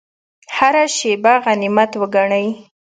هره شیبه غنیمت وګڼئ